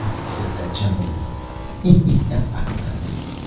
said that gentleman—"he!